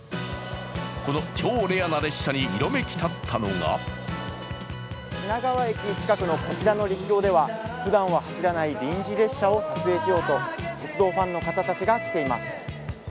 この超レアな列車に色めきたったのが品川駅近くのこちらの陸橋ではふだんは走らない臨時列車を撮影しようと鉄道ファンの方たちが来ています。